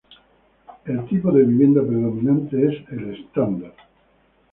El tipo de vivienda predominante es el standard.